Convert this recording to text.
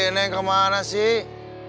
neng kemana sih